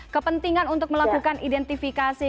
kepentingan untuk melakukan identifikasi